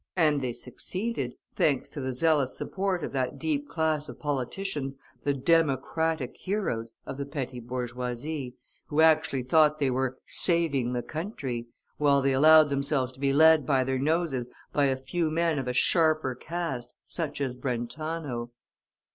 And they succeeded, thanks to the zealous support of that deep class of politicians, the "Democratic" heroes of the petty bourgeoisie, who actually thought they were "saving the country," while they allowed themselves to be led by their noses by a few men of a sharper cast, such as Brentano.